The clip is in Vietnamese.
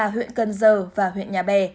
hiện cần giờ và huyện nhà bè